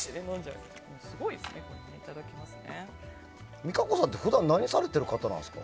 実可子さんって普段、何されてる方なんですか？